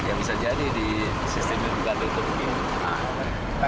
ya bisa jadi di sistem ini juga tutup